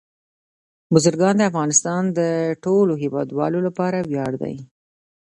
بزګان د افغانستان د ټولو هیوادوالو لپاره ویاړ دی.